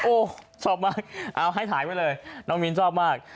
โอ้โหชอบมากเอาให้ถ่ายไว้เลยน้องมิ้นชอบมาก